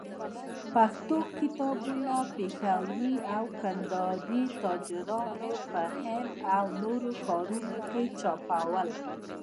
پښتو کتابونه، پېښوري او کندهاري تاجرانو په هند او نورو ښارو چاپول.